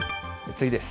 次です。